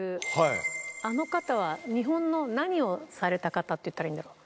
あの方は日本の何をされた方って言ったらいいんだろう？